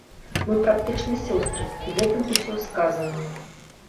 Мы практычна сёстры, і гэтым усё сказана.